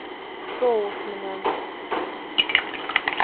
Соус менән